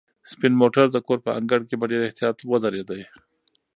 سپین موټر د کور په انګړ کې په ډېر احتیاط ودرېد.